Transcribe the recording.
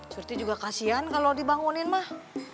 surti juga kasian kalau dibangunin mah